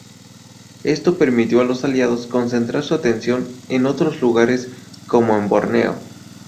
Esto permitió a los aliados concentrar su atención en otros lugares, como en Borneo.